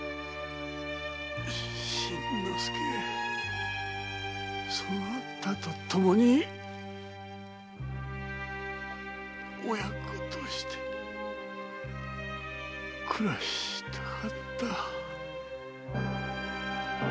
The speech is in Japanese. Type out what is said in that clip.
新之助そなたと共に親子として暮らしたかった。